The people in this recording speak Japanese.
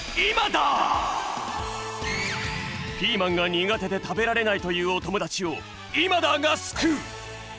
ピーマンが苦手で食べられないというおともだちをイマダーがすくう！